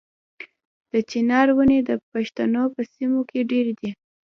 د چنار ونې د پښتنو په سیمو کې ډیرې دي.